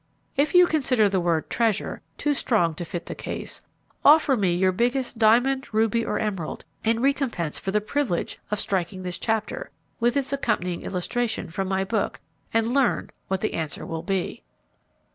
If you consider the word 'treasure' too strong to fit the case, offer me your biggest diamond, ruby, or emerald, in recompense for the privilege of striking this chapter, with its accompanying illustration, from my book, and learn what the answer will be.